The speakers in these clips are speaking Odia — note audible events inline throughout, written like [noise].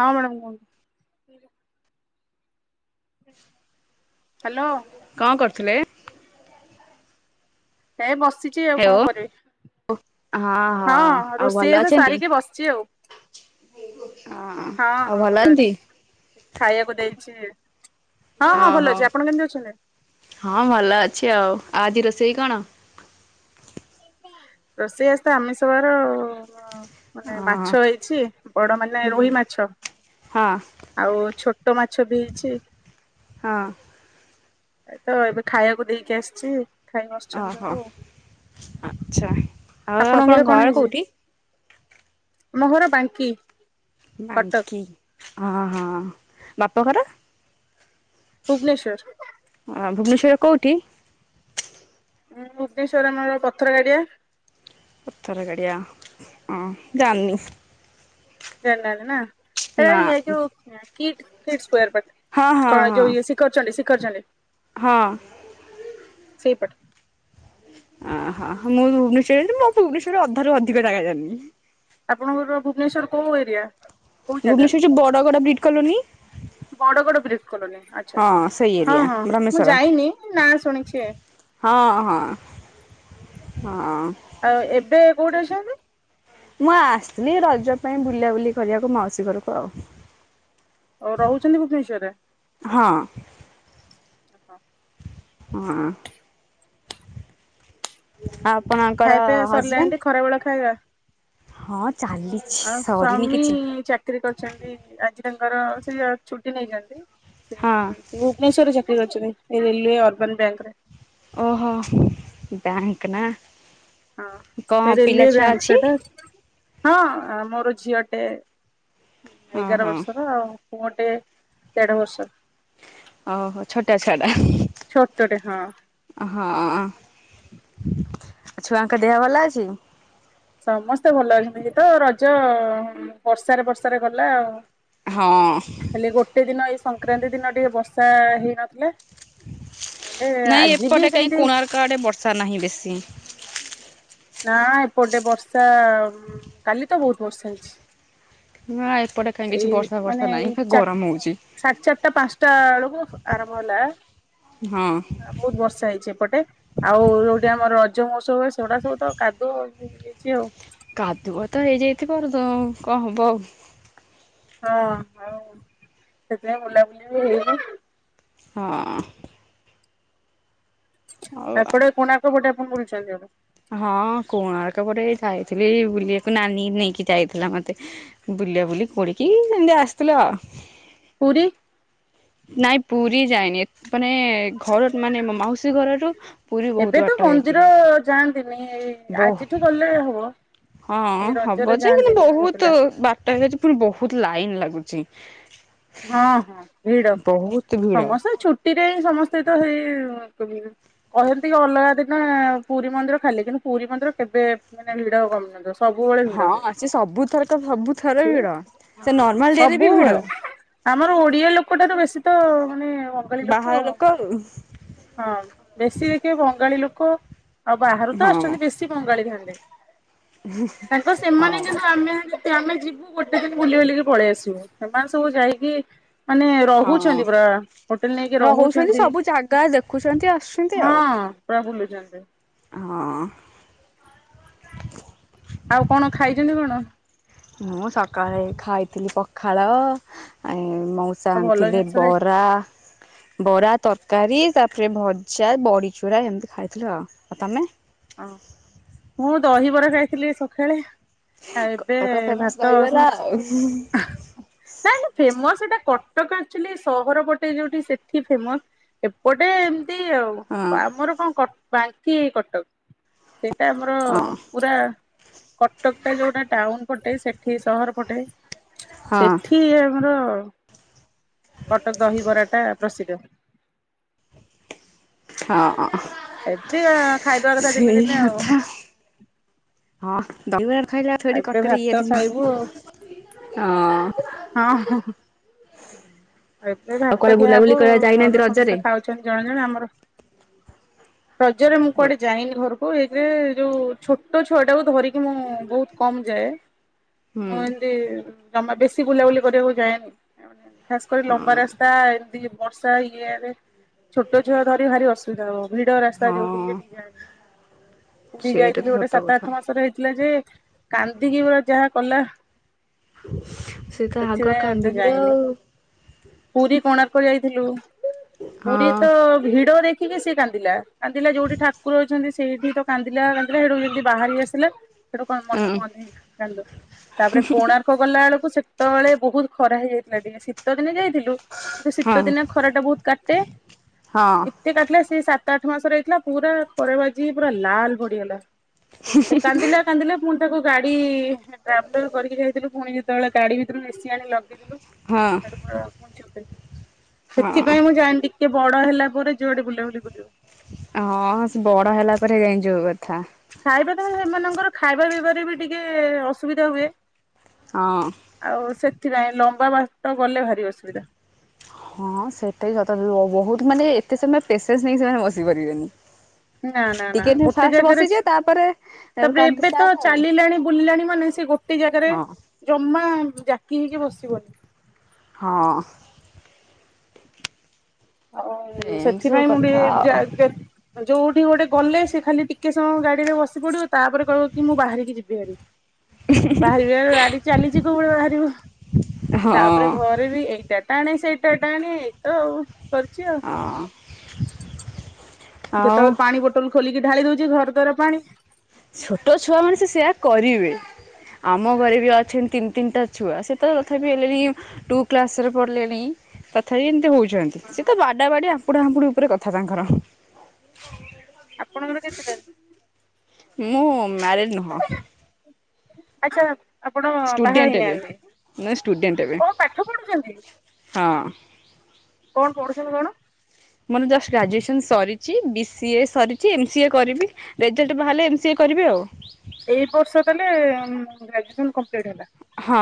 ହଁ ମାଡାମ୍ କୁହନ୍ତୁ। ହାଲୋ। କଣ କରଥିଲେ? ଏ ବସି ଚି ଆଉ ହେଓ କଣ କରିବି ହଁ ହଁ ଆଉ ଭଲ ରୋଷେଇ ବାସ ଅଛନ୍ତି? ସାରିକି ବସଚି ଆଉ। ହଁ ଆଉ ଭଲ ଅତି? ସେ ଖାଇବାକୁ ଦେଇଛି ହଁ ହଁ ଓହୋ। ଭଲ ଅଛି। ଆପଣ କେମତି ଅଛନ୍ତି? ହଁ ଭଲ ଅଛି ଆଉ ଆଉ ଆଜି ରୋଷେଇ କଣ? ରୋଷେଇ ଆଜି ତ ଆମିଷ ବାର ଅ ଅ ଅ ମାନେ ହଁ ମାଛ ହେଇଛି ବଡ଼ ମାନେ ରୋହି ମାଛ। ହଁ ଆଉ ଛୋଟ ମାଛ ବି ହେଇଛି। ହଁ। ଏ ତ ଏବେ ଖାଇବାକୁ ଦେଇକି ଆସଚି। ଖାଇ ବସଛନ୍ତି ଓହୋ ସବୁ। ଆଚ୍ଛା। ଆଉ ଆପଣଙ୍କ ଘରେ ଘର କଣ ହେଇଚି? କୋଉଠି? ଆମ ଘର ବାଙ୍କି। କଟକ ବାଙ୍କି ହଁ ହଁ ବାପଘର? ଭୁବନେଶ୍ୱର। ଅଁ ଭୁବନେଶ୍ୱର ର କୋଉଠି? ଉଁ ଭୁବନେଶ୍ଵର ଆମର ପଥର ଗାଡ଼ିଆ ପଥର ଗଡ଼ିଆ ଅଁ ଜାନନି। ଜାଣି ନାହାନ୍ତି ନା? ହେଟା ନା ହେଇ ଏଇ ଯୋଉ କିଟ୍ କିଟ ସ୍କୋୟାର୍ ପାଖେ। ହଁ ହଁ କଣ ଏ ହଁ। ଯୋଉ ଇଏ ଶିଖରଚଣ୍ଡି ଶିଖରଚଣ୍ଡି। ହଁ। ସେଇ ପଟ। ଅଁହ ମୁଁ ଭୁବନେଶରେ ରହୁଚି ମୁଁ ଭୁବନେଶ୍ୱରର ଅଧାରୁ ଅଧିକ ଜାଗା ଜାଣନି। ଆପଣଙ୍କର ଭୁବନେଶ୍ୱର କୋଉ ଏରିଆ? କୋଉ ଜାଗା Bhubaneswar Badagada Brit colony Badagada Brit colony ଆଚ୍ଛା ହଁ ସେଇ ଆଚ୍ଛା ଏରିଆ ହଁ ହଁ ମୁଁ ବ୍ରହ୍ମେଶ୍ଵର। ଯାଇନି ନାଁ ଶୁଣିଛି। ହଁ ହଁ ହଁ। ଆଉ ଏବେ କୋଉଠି ଅଛନ୍ତି? ମୁଁ ଆସଥିଲି ରଜ ପାଇଁ ବୁଲା ବୁଲି କରିବାକୁ ମାଉସୀ ଘରକୁ ଆଉ। ଓ ରହୁଛନ୍ତି ଭୁବନେଶ୍ୱର ରେ? ହଁ ହ ହଁ ଆପଣ ଆଙ୍କର ହଜବେଣ୍ଡ ଖରାବେଳ ଖାଇବା ହଁ ଚାଲି ଆଉ ସ୍ଵାମୀ ଚାକିରିୀ କରିଛନ୍ତି ଆଜି ତାଙ୍କର ସେ ଛୁଟି ନେଇଛନ୍ତି ହଁ ସେ ଭୁବନେଶ୍ୱରରେ ଚାକିରି କରିଛନ୍ତି ସେ ରେଲୱେ ଅର୍ବାନ୍ ବ୍ୟାଙ୍କରେ ଓହୋ ବ୍ୟାଙ୍କ ନା ହଁ କଣ ରେଲୱେ ପିଲା ଛୁଆ ବ୍ୟାଙ୍କ୍ ଅଛି? ସେଇଟା ହଁ ମୋର ଝିଅ ଟେ ହଁ ହଁ ଏଗାର ହଁ ବର୍ଷର ଆଉ ପୁଅଟେ ଦେଢ଼ ବର୍ଷର ଓହୋ ଛୋଟ ଛୁଆ ଟା ଛୋଟ ଟେ ହଁ ହଁ ଛୁଆଙ୍କ ଦେହ ଭଲ ଅଛି ସମସ୍ତେ ଭଲ ଅଛନ୍ତି ଏଇ ତ ରଜ ବର୍ଷାରେ ବର୍ଷାରେ ଗଲା ଆଉ ହଁ ଖାଲି ଗୋଟେ ଦିନ ଏଇ ସଂକ୍ରାନ୍ତି ଦିନ ଟିକେ ବର୍ଷା ହେଇନଥିଲା ନହେଲେ ଆଜି ବି ସେମିତି କୁଆଡ଼େ ବର୍ଷା ନାହିଁ ବେଶୀ ନା ଏପଟେ ବର୍ଷା କାଲି ତ ବହୁତ ବର୍ଷା ହେଇଛି ନା ଏପଟେ କାହିଁକି କିଛି ବର୍ଷା ଫର୍ଷା ନାହିଁ ଗରମ ହଉଛି ସାଢ଼େ ଚାରିଟା ପାଞ୍ଚଟା ବେଳକୁ ଆରମ୍ଭ ହେଲା ହଁ ବହୁତ ବର୍ଷା ହେଇଛି ଏପଟେ ଆଉ ଯୋଉଠି ଆମର ରଜ ମହତ୍ସବ ହୁଏ ସେଗୁଡା ସୁ ତ କାଦୁଅ ହେଇଯାଇଛି ଆଉ କାଦୁଅ ତ ହେଇଯାଇଥିବ ପାରୁ ତ କଣ ହବ ଆଉ ହଁ ଆଉ ସେଥିପାଇଁ ବୁଲାବୁଲି ବି ହେଇନି ହଁ ହଁ ଏପଟେ କଣାର୍କ ପଟେ ଆପଣ ବୁଲୁଛନ୍ତି ଏବେ ହଁ କଣାର୍କ ପଟେ ଯାଇଥିଲି ବୁଲିବାକୁ ନାନୀ ନେଇକି ଯାଇଥିଲା ମତେ ବୁଲା ବୁଲି କରିକି ସେମିତି ଆସିଥିଲୁ ଆଉ ପୁରୀ ନାଇଁ ପୁରୀ ଯାଇନି ମାନେ ଘର ମାନେ ମାଉସୀ ଘରରୁ ପୁରୀ ବହୁତ ଏବେ ତ ବାଟ ହେଇଯିବ ମନ୍ଦିର ଯାଆନ୍ତିନି ବହୁ ଆଜିଠୁ ଗଲେ ହବ ହଁ ଏଇ ରଜରେ ହବ ଯେ ହେଲେ ଯାଆନ୍ତିନି ଝିଅ ବହୁତ ପିଲା। ବାଟ ହେଇଯାଉଛି ପୁଣି ବହୁତ ଲାଇନ୍ ଲାଗୁଛି ହଁ ହଁ ଭିଡ ବହୁତ ଭିଡ ସମସ୍ତେ ଛୁଟିରେ ସମସ୍ତେ ତ ହେଇ କହନ୍ତି କି ଅଲଗା ଦିନ ପୁରୀ ମନ୍ଦିର ଖାଲି କିନ୍ତୁ ପୁରୀ ମନ୍ଦିର କେବେ ମାନେ ଭିଡ କମୁନି ଦ- ସବୁବେଳେ ଭିଡ ହୁଏ ହଁ ସେ ସବୁଥରକ ସବୁଥର ସେ ଭିଡ ସେ ହଁ ନର୍ମାଲ ଡେରେ ବି ଭିଡ। ସବୁବେଳେ ଆମର ଓଡିଆ ଲୋକଟାରୁ ବେଶୀ ତ ମାନେ ବଙ୍ଗାଳୀ ବାହାର ଆଉ। ଲୋକ ହଁ ବେଶୀ ଦେଖିବେ ବଙ୍ଗାଳୀ ଲୋକ ଆଉ ବାହାରୁ ତ ଆସୁଛନ୍ତି ବେଶୀ ଶି ବଙ୍ଗାଳୀ ଥାନ୍ତି ତାଙ୍କର ସେମାନେ ହଁ ଯେମନ୍ତି ଆମେ ଆମେ ଯିବୁ ଗୋଟେ ଦିନ ବୁଲି ବାଲିକି ପଳେଇ ଆସିବୁ ସେମାନେ ସବୁ ଯାଇକି ମାନେ ହଁ। ହଁ ରହୁଛନ୍ତି ପୁରା ହୋଟେଲ ନେଇକି ରହୁଛନ୍ତି ତ ଦେଖୁଛନ୍ତି ଆସ୍ ହଁ ପୁରା ବୁଲୁଛନ୍ତି। ହଁ ଆଉ କଣ ଖାଇଛନ୍ତି କଣ? ମୁଁ ସକାଳେ ଖାଇଥିଲି ପଖାଳ ଆଇଁ ମୋଉ ମା ଆଉ ଭଲ ଆଣିଥିଲେ ଜିନିଷ ଖାଇ ବରା ବରା ତରକାରୀ ତାପରେ ଭଜା ବଡ଼ିଚୁରା ଏମିତି ଖାଇଥିଲି ଆଉ। ଆଉ ତମେ? ଅ ମୁଁ ଦହିବରା ଖାଇଥିଲି ସକାଳେ। ଆଉ ଏବେ କଟକ ଫେମସ ଭାତ ଦହିବରା ସବୁ ଆଉ ଖା ତାହାଲେ ଫେମସ ସେଇଟା କଟକ ଆକ୍ଚୁଆଲି ସହର ପଟେ ଯୋଉଠି ସେଠି ଫେମସ୍। ଏପଟେ ଏମିତି ଆଉ ହଁ ଆମର କଣ କଟ ବାଙ୍କି କଟକ। ସେଟା ଆମର ହଁ ପୁରା କଟକ ଟା ଯୋଉଟା ଟାଉନ ପଟେ ସେଠି ସହର ପଟେ ହଁ। ସେଠି ଆମର କଟକ ଦହିବରାଟା ପ୍ରସିଦ୍ଧ। ହଁ ହଁ। ଏମିତି ଖାଇଦବା କଥା ଦିନେ ଦିନେ ଆଉ। କଥା ହଁ ତମେ ଖାଇଲେ ଆସିବ ଏଠି ଏବେ କଟକରେ ଭାତ ଇଏ ଖାଇବୁ ଥିବା। ହଁ ହଁ ଆଉ ଏବେ ଭାତ କୁଆଡେ ଖିଆ ହବ ବୁଲାବୁଲି କରିବା ଯାଇନାହାନ୍ତି ଘର ରଜରେ? ସମସ୍ତେ ଖାଉ ଛନ୍ତି ଜଣେ ଜଣେ ଆମର ରଜରେ ମୁଁ କୁଆଡେ ଯାଇନି ଘରୁକ ହଉ ଏବେ ଯୋଉ ଛୋଟ ଛୁଆ ଟାକୁ ଧରିକି ମୁଁ ବୋହୁତ କମ୍ ଯାଏ। ହୁଁ ମୁଁ ଏମିତି ଜମା ବେଶୀ ବୁଲାବୁଲି କରିବାକୁ ଯାଏନ ଖାସ୍ କରି ଲମ୍ବା ହଁ ରାସ୍ତା ଏମିତି ବର୍ଷା ଇଏ ରେସଛୋଟ ଛୁଆ ଧରି ଭାରି ଅସୁ ଧା ହେବ ଭିଡ଼ ରାସ୍ତା ଯୋଉଠି ହଁ ସେଠି କି ଯାଏନି। ପୁରି ସେଇଟା ତ ଯାଇଥିଲୁ ଗୋଟେ ସତ ସାତ କଥା। ଆଠ ମାସରେ ହେଇଥିଲା ଯେ କାନ୍ଦିକି ପୁରା ଯାହା କଲା। ସେ ତ ସେଥି ଆଗ ପାଇଁ ଏତେ କାନ୍ଦିବେ ଜାଏନି। ଆଉ। ପୁରୀ କୋଣାର୍କ ଯାଇଥିଲୁ। ପୁରୀ ତ ଭିଡ ଦେ ଖିକିି ସେ କାନ୍ଦିଲା କାନ୍ଦିଲା ଯୋଉଠି ଠାକୁର ଅଛନ୍ତି ସେଇଠି ତ କାନ୍ଦିଲା କାନ୍ଦିଲା ସେଠୁ ଯେମିତି ବାହାରି ଆସିଲା ସେଠୁ କଣ ହଁ ମନକୁ ମନେଇ ଚାଲିଲୁ। ତାପରେ କୋଣାର୍କ ର୍କ ଗଲା ବେଳକୁ ସେତେବେଳେ ବୋହୁତ ଖରା ହେଇଯାଇଥିଲା ଟିକେ ଶୀତ ଦିନ ଯାଇଥିଲୁ କିନ୍ତୁ ହଁ ଶୀତ ଦିନେ ଖରା ଟା ବୋହୁତ କାଟେ। ହଁ ଏତେ କାଟିଲା ସେ ସାତ ଆଠ ମାସରେ ହେଇଥିଲା ପୁରା ଖରା ବାଜିକି ପୁରା ଲାଲ ପଡିଗଲା। ସେ କାନ୍ଦିଲ କାନ୍ଦିଲ ମୁଁ ତାକୁ ଗାଡି ଟ୍ରାଭେଲର କରିକି ଯାଇଥିଲୁ ପୁଣି ଯେତେବେଳେ ଗାଡି ଭିତରୁକୁ ଏହି ଆଣି ଲଗେଇଦେଲୁ ହଁ। ସେଠୁ ପୁରା ପୁଣି ଚୁପ୍ ହଁ। ସେଥିପାଇଁ ମୁଁ ଯାଏନି। କେ ବଡ ହେଲା ପରେ ଯୋଆଡେ ବୁଲାବୁଲି କରିବ। ହଁ ସେ ବଡ ହେଲା ପରେ ଜାଇଁକି ଯୋଉ କଥା। ଖାଇବା ତ ହେଲେ ସେମାନଙ୍କର ଖାଇବା ପିବାରେ ବି ଟିକେ ଅସୁବିଧା ହୁଏ। ହଁ। ଆଉ ସେଥିପାଇଁ ଲମ୍ବା ବାଟ ଗଲେ ଭାରି ଅସୁବିଧା। ହଁ ସେଟା ବି ସତ ବୋହୁତ ମାନେ ଏତେ ସମୟ ପେସେନ୍ସ ନେଇକି ସେମାନେ ବସିପାରିବେନି। ନା ନା ନା ଗୋଟେ ଜାଗାରେ ବସିଯିବେ ତାପରେ ତା ପରେ କାନ୍ଦ ଏବେ ତ ଷ୍ଟାର୍ଟ ଆଉ ଚାଲିଲାଣି ବୁଲିଲାଣି ମାନେ ସେ ଗୋଟ ଟେ ଜାଗାରେ ହଁ ଜମା ଜାକି ହେଇକି ବସିବନି। ହଁ। ହଉ, ଏମିତି ସବୁ ସେଥିପାଇଁ ମୁଁ କଥା ଟିକେ ଯା ଆଉ ଯେତ୍ ଯୋଉଠି ଗୋଟେ ଗଲେ ସେ ଖାଲି ଟିକେ ସମୟ ଗାଡି ରେ ବସି ପଡିବ। ତା'ପରେ କହିବ କି, ମୁଁ ବାହାରିକି ଯିବି ହାରି। [inaudible] ବାହାରିବେ ଗାଡି ଚାଲିଚି କୋଉ [unintelligible] ବାହାରିବ। ତା'ପରେ ହଁ ଘରେ ଏ ବେ ବି ଏଇଟା ଟାଣେ, ସେଇଟା ଟାଣେ, ଏଇ ତ ଆଉ, କରୁଚି ଆଉ। ହଁ। ଆଉ କେତେବେଳେ ପାଣି ବୋଟଲ୍ ଖୋଲିକି ଢାଳି ଦଉଛି! ଘର ଦ୍ୱାର ପାଣି। ଛୋଟ ଛୁଆମାନେ, ସେ ସେୟା କରିବେ। ଆମ ଘରେ ବି ଅଛନ୍ତି ତିନି ତିନିଟା ଛୁଆ, ସେ ତ ତଥାପି ହେଲେଣି ଟୁ କ୍ଲାସ୍ ରେ ପଢ଼ିଲେଣି ତଥାପି ଏମିତି ହଉଚନ୍। ସେ ହଁ। ତ ବାଡା ବାଡି ଆମ୍ପୁଡା ହାମ୍ପୁଡି ଉପରେ କଥା ତାଙ୍କର। ଆପଣଙ୍କର କେତେଟାରେ? ମୁଁ ମ୍ୟାରେଡ୍ ନୁହଁ। ଆଛା। ଆପଣ ବାହା ଷ୍ଟୁଡେଣ୍ଟ ଏବେ। ହେଇନହାଁନ୍ତି, ମୁଁ ଷ୍ଟୁଡେଣ୍ଟ ଏବେ କଣ ପାଠ ପଢୁଛନ୍ତି? ହଁ। କଣ ପଢୁଛନ୍ତି କଣ? ମୋର ଜଷ୍ଟ ଗ୍ରାଜୁଏସନ୍ ସରିଚି। ବି ସିଏ ସରିଚି। ଏମ୍ ସିଏ କରିବି। ରେଜେଲ୍ଟ ବାହାଲେ, ଏମ୍ ସିଏ କରିବି ଆଉ। ଏଇ ବର୍ଷ ତାହେଲେ-ଏ-ଏମ୍ ଗ୍ରାଜୁଏସନ୍ କମ୍ ହଁ,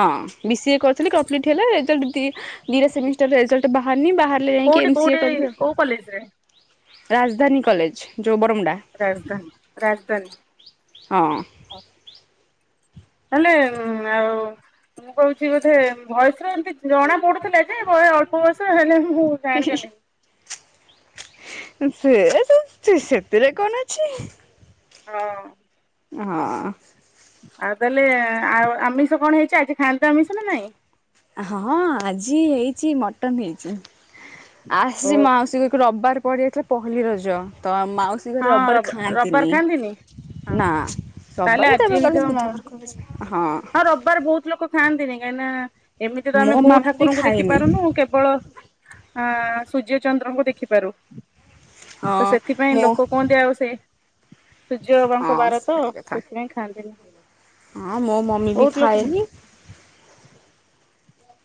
ବି ସିଏ କରିଥିଲି କମ୍ପ୍ଲିଟ୍ ହେଲା, ରେଜଲ୍ଟ ଦି ଦିଇଟା ସେମିଷ୍ଟର ରେଜଲ୍ଟ ବାହାରନି। ବାହାରଲେ ଯାଇଁକି କୋଉଠି ଏମ୍ ସି କୋଉଠି ଏ କରିବି। ଆଉ କୋଉ କଲେଜ୍ ରେ? ରାଜଧାନୀ କଲେଜ୍ ଯୋଉ ବରମୁଣ୍ଡା! ରାଜଧାନୀ ରାଜଦାନୀ ହଁ [inaudible] ହେଲେ ଉମ୍ ଆଉ ମୁଁ କହୁଛି ବୋଧେ, ଭଏସ୍ ରେ ଏମିତି ଜଣା ପଡୁଥିଲା ଯେ, ବୟେ ଅଳ୍ପ ବୟସ ହେଲେ, ମୁଁ ଜାଣିପାରିଲିନି। [unintelligible] ସେ-ସେ-ସେଥିରେ କଣ ଅଛି? ହଁ। ହଁ। ଆଉ ତାହେଲେ ଆଉ ଆମିଷ କଣ ହେଇଛି! ଆଜି ଖାଆନ୍ତିତ ଆମିଷ ନା ନାଇଁ? ହଁ, ଆଜି ହେଇଚି ମଟନ୍ ହେଇଚି। ଓ ଆସିଚି ମାଉସୀ ଘରକୁ ରବ୍ ବାର ପଡି ଯାଇଥିଲା ପହଲି ରଜ, ତ ମାଉସୀ [unintelligible] ଘରେ ହଁ ରବ୍ ବାର ରବିବାର ଖାଆନ୍ତିନି। ହଁ ହଁ ନାଁ ରବ୍ ତାହେଲେ ବାରେ ତା'ପରେ କଲେ ବୁଧବାର [inaudible] ହଁ। ରବ୍ ବାର ବହୁତ ଲୋକ ଖାଆନ୍ତିନି, କାହିଁନା ଏମିତି ତ ମୋ ଆମେ କୋଉ ମାମା ବି ଠାକୁରଙ୍କୁ ଦେଖି ଖାଏନି ପାରୁନୁ, କେବଳ ଆଁ ସୂର୍ଯ୍ୟ, ଚନ୍ଦ୍ରଙ୍କୁ ଦେଖିପାରୁ। ତ ହଁ ସେଥିପାଇଁ ମୋ ଲୋକ କହନ୍ତି, ଆଉ ସେ ସୂର୍ଯ୍ୟ ବାବାଙ୍କ ହଁ ବାର ତ, ସେଇ କଥା। ସେଥିପାଇଁ ଖାଆନ୍ତିନି। ହଁ, ମୋ ମମି ବି ବହୁତ ଲୋକ ଖାଆନ୍ତି ଖାଏନି।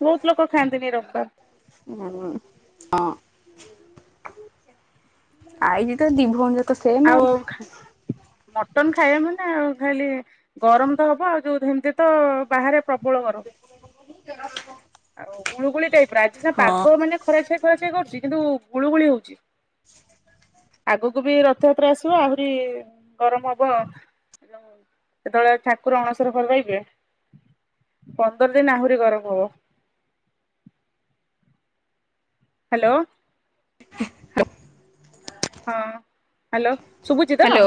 ବହୁତ ଲୋକ ଖାଆନ୍ତିନି ରବ୍ ବାର୍। ଉଁ, ହଁ। [inaudible] ଆଇଜି ତ ଦି ଭଉଣୀ ଯାକ୍ ଆଉ ଖା, ମଟନ୍ ଖାଇବେ ମାନେ ଆଉ ଖାଲି ଗରମ ତ ହବ ଆଉ ଯୋଉ ସେମିତି ତ ବାହାରେ ପ୍ରବଳ ଗରମ। [unintelligible] ଆଉ ଗୁଳୁଗୁଳି ଟାଇପର ଆଜି ସିନା ହଁ ପାଗ ମାନେ ଖରାଛାଇ ଖରାଛାଇ କରୁଛି କିନ୍ତୁ ଗୁଳୁଗୁଳି ହଉଛି। ଆଗକୁ ବି ରଥଯାତ୍ରା ଆସିବ ଆହୁରି ଗରମ ହବ। ଯେତେବେଳେ ଠାକୁର ଅଣସର ଘରେ ରହିବେ ପନ୍ଦର ଦିନ ଆହୁରି ଗରମ ହବ। ହ୍ୟାଲୋ। ହଁ ହ୍ୟାଲୋ। ଶୁଭୁଚିତ ହ୍ୟାଲୋ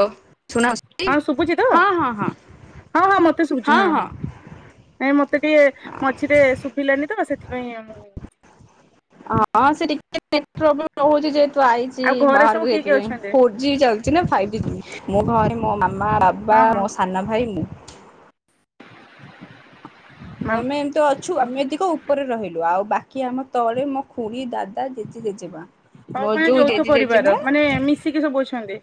ଶୁଣାଯାଉଛି? ଶୁଭୁଚିତ? ହଁ ହଁ ହଁ ହଁ ହଁ ମତେ ଶୁଭୁଛି ହଁ ହଁ। ନାଇଁ ମତେ ଟିକେ ମଝିରେ ଶୁଭିଲାନି ତ ସେଥିପାଇଁ ମୁଁ ହଁ ସେ ଟିକେ ନେଟ ପ୍ରୋବ୍ଲେମ ରହୁଛି ଯେହେତୁ ଆଇଚି ଆଉ ଘରେ ସବୁ ବାହାରକୁ କିଏ କିଏ ସେଥିପାଇଁ ଅଛନ୍ତି? [unintelligible] ଜି ଯାଉଚି ନା ଫାଇଭ ଜି ମୋ ଘରେ ମୋ ମାମା ବାବା ହଁ ହଁ ମୋ ସାନ ଭାଇ ମୁଁ। ମା ଆମେ ଏମିତି ଅଛୁ ଆମେ ଏତିକ ଉପରେ ରହିଲୁ ଆଉ ବାକି ଆମ ତଳେ ମୋ ଖୁଡ଼ି ଦାଦା ତା ଜେଜି ଜେଜେମା ହଉ ମୋର ମାନେ ଯୋଉ ଯୌଥ ଜେଜେ ପରିବାର ଜେଜେମା ମାନେ ମିଶିକି ସବୁ ଅଛନ୍ତି।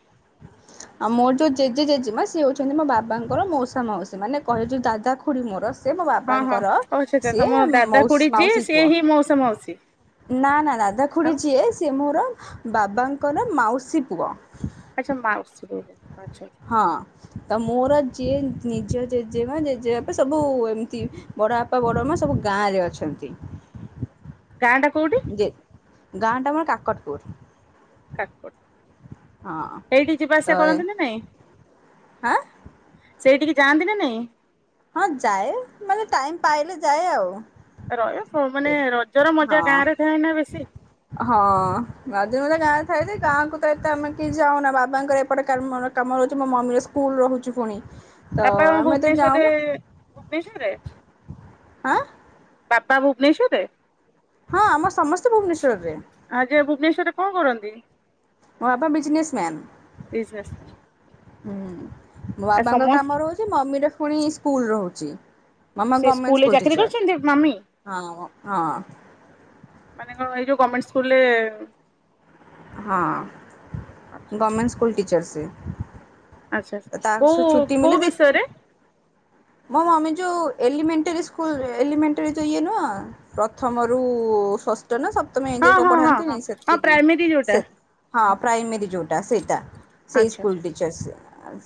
ଆଉ ମୋର ଯୋଉ ଜେଜେ ଜେଜେମା ସିଏ ହଉଛନ୍ତି ମୋ ବାବାଙ୍କର ମଉସା ମାଉସୀ ମାନେ କହେ ଯେ ଦାଦା ଖୁଡି ମୋର ସେ ମୋ ହଁ ହଁ ବାବାଙ୍କର ଓ ଆଚ୍ଛା ଆଚ୍ଛା ତମ ସିଏ ଦାଦା ମଉ ଖୁଡି ଯିଏ ମାଉସୀ ସିଏ ପୁଅ। ହିଁ ମଉସା ମାଉସୀ ନା ନା ଦାଦା ଖୁଡ଼ି ଆଉ ଯିଏ ସିଏ ମୋର ବାବାଙ୍କର ମାଉସୀ ପୁଅ। ଅଚ୍ଛା ମାଉସୀର ପୁଅ ଆଚ୍ଛା। ହଁ ତ ମୋର ଯିଏ ନିଜ ଜେଜେମା ଜେଜେବାପା ସବୁ ଏମତି ବଡବାପା ବଡମା ସବୁ ଗାଁରେ ଅଛନ୍ତି। ଗାଁ ଟା କୋଉଠି ଯେ ଗାଁଟା ଆମର କାକଟପୁର। ହଁ କାକଟପୁର ଏଇଠି ଯିବା ଆସିବା କରନ୍ତି ନା ନାଇଁ? ଆଁ? ସେଇଠିକି ଯାଆନ୍ତି ନା ନାଇଁ? ହଁ ଯାଏ ମାନେ ଟାଇମ ପାଇଲେ ଯାଏ ଆଉ। ରହିବ ଏ ମାନେ ରଜର ମଜା ହଁ। ଗାଁରେ ଥାଏ ନା ବେଶୀ। ହଁ ରଜର ମଜା ଗାଁରେ ଥାଏ ଯେ ଗାଁକୁ ତ ଏତେ ଆମେ କିଏ ଯାଉନା ବାବାଙ୍କର ଏପଟେ କାମ କାମ ରହୁଛି ମୋ ମମିର ସ୍କୁଲ ରହୁଛି ପୁଣି। ତ ଆପଣ କଣ ଆମେ ଏତେ ଭୁବନେଶ୍ଵରରେ ଯାଉନା ଭୁବନେଶ୍ୱରରେ? ଆଁ? ବାପା ଭୁବନେଶ୍ୱରରେ? ହଁ ଆମ ସମସ୍ତେ ଭୁବନେଶ୍ୱରରେ। ଆ ଯେ ଭୁବନେଶ୍ଵରରେ କଣ କରନ୍ତି? ମୋ ବା ବିଜନେସ ବିଜନେସମ୍ୟାନ। ପାଇଁ ହୁଁ। ମୋ ଆଉ ବାଵାଙ୍କ ସମସ୍ତ କାମ ରହୁଛି ମମିର ଫୁଣି ସ୍କୁଲ ରହୁଛି। ମାମା ସେ ଗର୍ମେଣ୍ଟ ସ୍କୁଲରେ ସ୍କୁଲ ଚାକିରି କରିଛନ୍ତି ମାମି ଟିଚର। ହଁ, ହଁ। ମାନେ କଣ ଏଇ ଯୋଉ ଗମେର୍ଣ୍ଟ ସ୍କୁଲରେ ହଁ ଆଚ୍ଛା ଗମେର୍ଣ୍ଟ ସ୍କୁଲ ଟିଚର୍ ସେ। ଆଚ୍ଛା ତାର କୋଉ ସେ ଛୁଟି କୋଉ ମିିଲେ ସେ - ବିଷୟରେ ମୋ ମମି ଯୋଉ ଏଲିମେଣ୍ଟାରୀ ସ୍କୁଲରେ ଏଲିମେଣ୍ଟାରୀ ଯୋଉ ଇଏ ନୁହଁ ପ୍ରଥମରୁ ଷଷ୍ ଷଷ୍ଠ ସପ୍ତମ ହଁ ଏମତି କଣ ହଁ ହଁ ପଢାନ୍ତିନି ହଁ ହଁ ସେତିକି ପ୍ରାଇମେରୀ ଯୋଉଟା ସେ ହଁ ପ୍ରାଇମେରୀ। ଯୋଉଟା ସେଇଟା ସେଇ ଆଚ୍ଛା ସ୍କୁଲ ଆଚ୍ଛା ଟିଚର ସିଏ।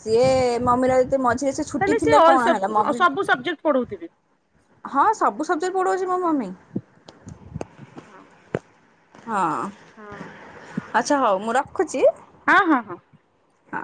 ସିଏ ମମିର ଯଦି ମଝିରେ ଛୁଟି ଥିଲେ କଣ ହେ ଆଉ ସବୁ ସବଜେକ୍ଟ ପଢଉଥିବି। ହଁ ସବୁ ସବଜେକ୍ଟ ପଢ଼ଉଛି ମୋ ମମୀ। ହଁ ହଁ ଆଚ୍ଛା ହଉ ମୁଁ ରଖୁଛି। ହଁ- ହଁ- ହଁ। ହଁ।